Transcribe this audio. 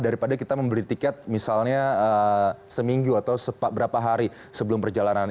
daripada kita membeli tiket misalnya seminggu atau berapa hari sebelum perjalanan